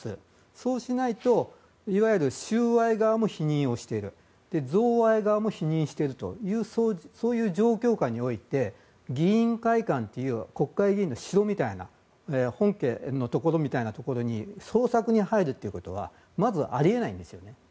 そうしないといわゆる収賄側も否認をしている贈賄側も否認してるという状況下において議員会館という国会議員の城みたいな本家のところみたいなところに捜索に入ることはまずあり得ないんですよね。